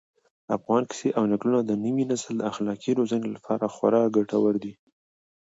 افغاني کيسې او نکلونه د نوي نسل د اخلاقي روزنې لپاره خورا ګټور دي.